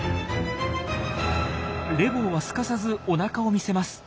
レボーはすかさずおなかを見せます。